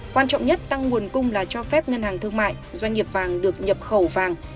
quan trọng nhất tăng nguồn cung là cho phép ngân hàng thương mại doanh nghiệp vàng được nhập khẩu vàng